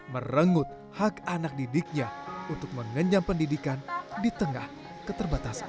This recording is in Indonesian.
merenggut hak anak didiknya untuk mengenyam pendidikan di tengah keterbatasan